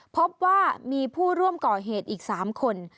พบว่ามีผู้ร่วมก่อเหตุอีก๓คน